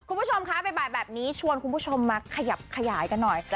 คุณผู้ชมคะบ่ายแบบนี้ชวนคุณผู้ชมมาขยับขยายกันหน่อย